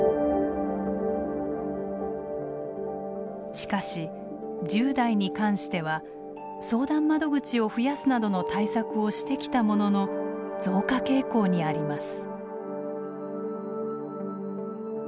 しかし１０代に関しては相談窓口を増やすなどの対策をしてきたものの増加傾向にあります。